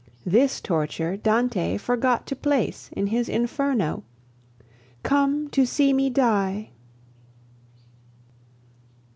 This torture Dante forgot to place in his Inferno. Come to see me die!